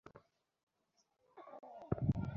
এই বান্টি, দেখতে পাচ্ছিস না?